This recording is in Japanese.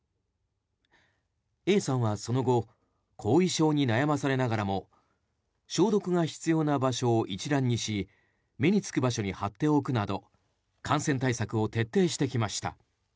Ａさんは、その後後遺症に悩まされながらも消毒が必要な場所を一覧にし目につく場所に貼っておくなど感染対策を徹底してきました。